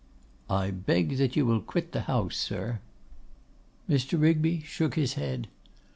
'I beg that you will quit the house, sir.' Mr. Rigby shook his head.